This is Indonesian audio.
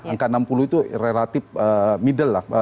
angka enam puluh itu relatif middle lah